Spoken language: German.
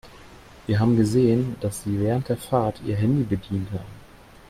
Wir haben gesehen, dass Sie während der Fahrt Ihr Handy bedient haben.